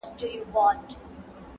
هغه لږ خبري کوي تل,